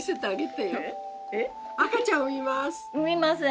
赤ちゃん産みます。